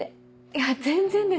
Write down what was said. いや全然です。